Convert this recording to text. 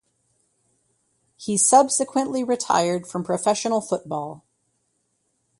He subsequently retired from professional football.